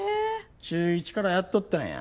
中１からやっとったんや。